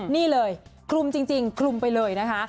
นี่เลยคลุมจริงคลุมไปเลยนะคะ